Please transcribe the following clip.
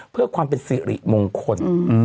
เพื่อความเป็นสิริมงคล